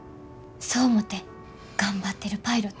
そう思って頑張ってるパイロット。